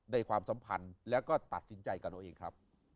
ความสัมพันธ์แล้วก็ตัดสินใจกับตัวเองครับ